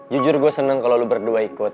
jujur gue seneng kalau lo berdua ikut